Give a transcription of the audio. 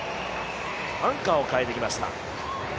アンカ−を変えてきました。